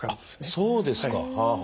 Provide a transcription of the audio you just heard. あっそうですか！